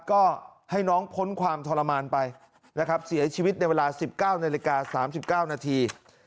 ก็ให้น้องพ้นความทรมานไปนะครับเสียชีวิตในเวลา๑๙นาฬิกา๓๙นาที